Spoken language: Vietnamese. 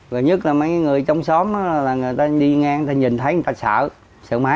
rồi nhất là mấy người trong xóm là người ta đi ngang người ta nhìn thấy người ta sợ sợ mấy